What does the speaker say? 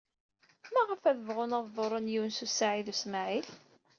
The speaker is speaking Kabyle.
Maɣef ad bɣun ad ḍurren Yunes u Saɛid u Smaɛil?